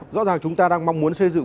rõ ràng chúng ta đang mong muốn xây dựng